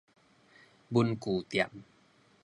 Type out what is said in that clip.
文具店